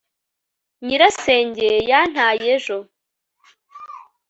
nyirasenge yantaye ejo